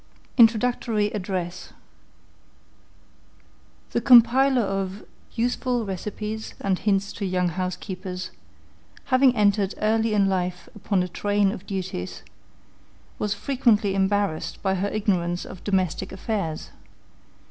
INTRODUCTORY ADDRESS. The compiler of "Useful Receipts and Hints to Young Housekeepers" having entered early in life upon a train of duties, was frequently embarrassed by her ignorance of domestic affairs.